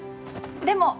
でも。